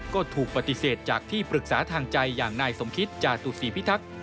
ก็ถูกปฏิเสธจากที่ปรึกษาทางใจอย่างนายสมคิตจาตุศีพิทักษ์